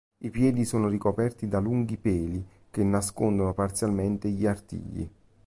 I piedi sono ricoperti da lunghi peli che nascondono parzialmente gli artigli.